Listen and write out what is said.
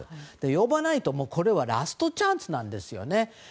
呼ばないと、これはラストチャンスなんですよね。